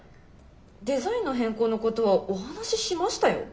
デザインの変更のことお話ししましたよ？